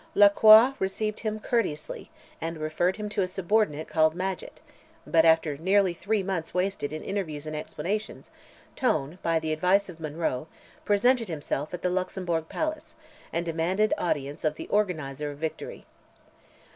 Lacroix received him courteously, and referred him to a subordinate called Madgett, but after nearly three months wasted in interviews and explanations, Tone, by the advice of Monroe, presented himself at the Luxembourg Palace, and demanded audience of the "Organizer of Victory."